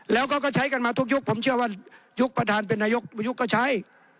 แล้วก็ใช้กันมาทุกยุคผมเชื่อว่ายุคประธานเป็นนายกประยุกต์ก็ใช้